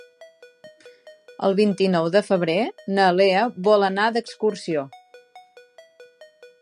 El vint-i-nou de febrer na Lea vol anar d'excursió.